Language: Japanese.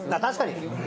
確かに。